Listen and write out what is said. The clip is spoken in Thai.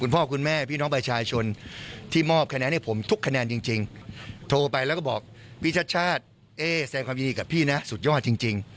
พร้อมเสมอครับแล้วเราก็เป็นพี่น้องกัน